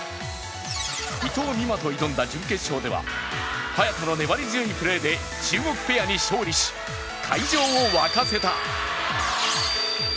伊藤美誠と挑んだ準決勝では早田の粘り強いプレーで中国ペアに勝利し、会場を沸かせた。